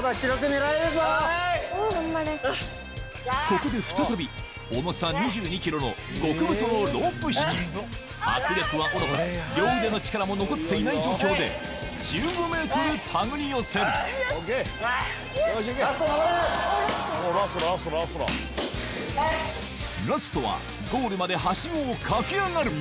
ここで再び重さ２２ｋｇの極太のロープ引き握力はおろか両腕の力も残っていない状況で１５ｍ手繰り寄せるラストはゴールまではしごを駆け上がる！